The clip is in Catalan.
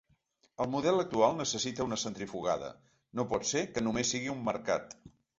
El model actual necessita una centrifugada, no pot ser que només sigui un mercat.